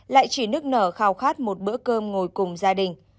lại chỉ nức nở khao khát một bữa cơm ngồi cùng gia đình